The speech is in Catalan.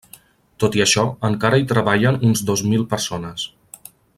Tot i això, encara hi treballen uns dos mil persones.